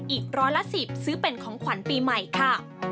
อีกร้อยละ๑๐ซื้อเป็นของขวัญปีใหม่ค่ะ